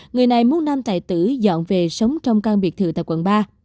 người này muôn nam tài tử dọn về sống trong căn biệt thự tại quận ba